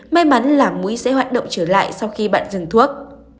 may mắn là mũi sẽ hoạt động trở lại sau khi bạn dừng thuốc